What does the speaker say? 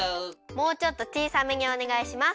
もうちょっとちいさめにおねがいします。